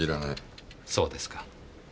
そうですか。